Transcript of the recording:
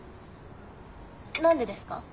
何でですか？